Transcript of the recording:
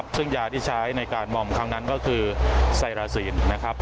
ซึ่งยาที่ใช้ในการมอมครั้งนั้นก็คือไซราซีนนะครับ